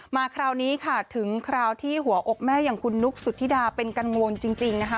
คราวนี้ค่ะถึงคราวที่หัวอกแม่อย่างคุณนุ๊กสุธิดาเป็นกังวลจริงนะคะ